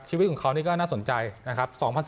ชีวิตของเขานี่ก็น่าสนใจนะครับ